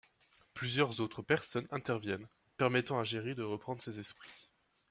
Plusieurs autres personnes interviennent, permettant à Jerry de reprendre ses esprits.